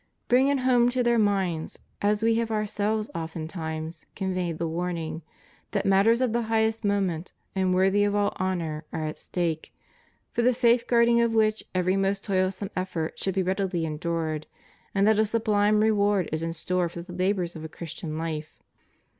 Bring it home to their minds, as We have ourselves oftentimes conveyed the warning, that matters of the highest moment and worthy of all honor are at stake, for the safeguarding of which every most toilsome effort should be readily endured; and that a sublime reward is in store for the labors of a Christian life.